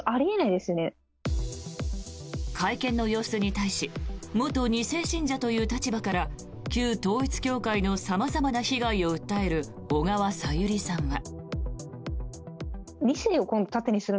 会見の様子に対し元２世信者という立場から旧統一教会の様々な被害を訴える小川さゆりさんは。